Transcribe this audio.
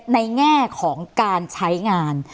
แง่ของการใช้งาน